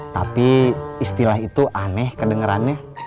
tapi istilah itu aneh kedengerannya